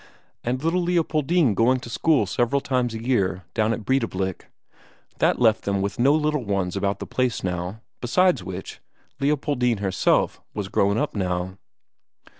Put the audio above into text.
And little Leopoldine going to school several times a year down at Breidablik that left them with no little ones about the place now besides which, Leopoldine herself was grown up now.